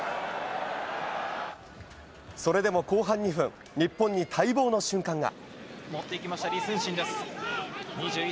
それでも後半２分、日本に待望の瞬間が。